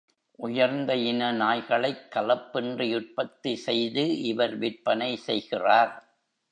உயர்ந்த இன நாய்களைக் கலப்பின்றி உற்பத்தி செய்து இவர் விற்பனை செய்கிறார்.